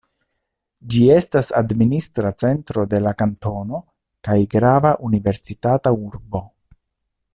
Ĝi estas administra centro de la kantono kaj grava universitata urbo.